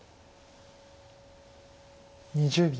２０秒。